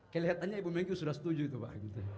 kelihatannya ibu megi sudah setuju itu pak